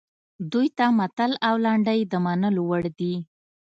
دوی ته متل او لنډۍ د منلو وړ دي